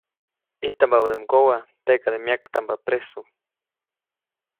ʼIjtampabäde mgowa, teʼkade myaktamba presu.